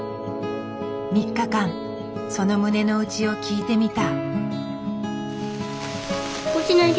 ３日間その胸の内を聞いてみた。